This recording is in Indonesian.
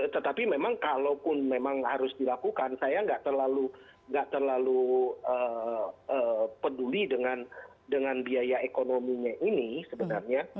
tetapi memang kalaupun memang harus dilakukan saya nggak terlalu peduli dengan biaya ekonominya ini sebenarnya